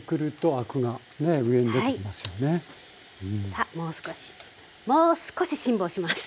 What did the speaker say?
さあもう少しもう少し辛抱します。